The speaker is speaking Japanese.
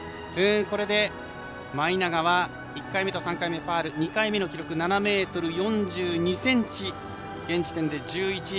これで舞永は１回目と３回目ファウル１回目の記録７ｍ４２ｃｍ現時点で１１位。